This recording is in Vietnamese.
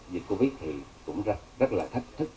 dịch covid thì cũng rất là thách thức